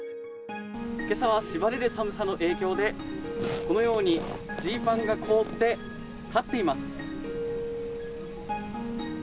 けさはしばれる寒さの影響で、このようにジーパンが凍って、立っています。